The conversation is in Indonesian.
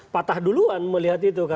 patah duluan melihat itu